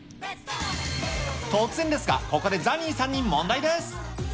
突然ですが、ここでザニーさんに問題です。